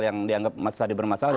yang dianggap masih tadi bermasalah